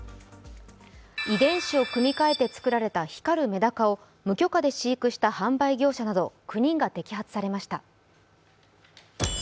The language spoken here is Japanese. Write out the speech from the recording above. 遺伝子を組み換えて作られた光るメダカを無許可で販売業者など９人が摘発されました